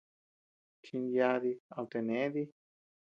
Chinyadi, amtea nee dii.